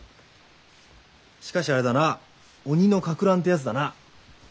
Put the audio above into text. しかしあれだな鬼のかくらんってやつだな。